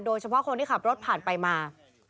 โดยเฉพาะคนที่ขับรถผ่านไปมา